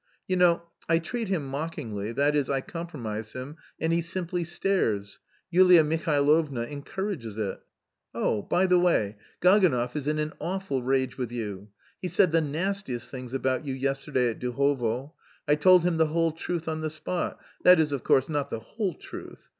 You know I treat him mockingly, that is, I compromise him and he simply stares. Yulia Mihailovna encourages it. Oh, by the way, Gaganov is in an awful rage with you. He said the nastiest things about you yesterday at Duhovo. I told him the whole truth on the spot, that is, of course, not the whole truth.